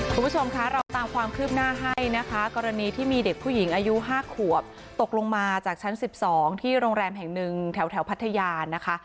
คุณผู้ชมคะเราตามความคืบหน้าให้นะคะกรณีที่มีเด็กผู้หญิงอายุ๕ขวบตกลงมาจากชั้น๑๒ที่โรงแรมแห่งหนึ่งแถวพัทยานะคะ